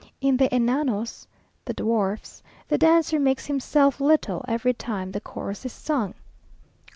In the "enanos" (the dwarfs) the dancer makes himself little, every time the chorus is sung.